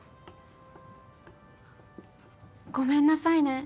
ごめんなさいね。